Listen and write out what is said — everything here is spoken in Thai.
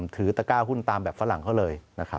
ถือตะก้าหุ้นตามแบบฝรั่งเขาเลยนะครับ